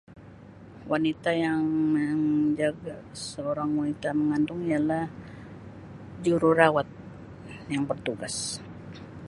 Wanita yang menjaga seorang wanita mengandung ialah jururawat yang bertugas